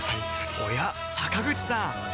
おや坂口さん